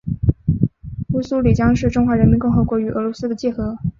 乌苏里江是中华人民共和国与俄罗斯的界河。